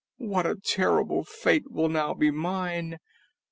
what a terrible fate will now be mine.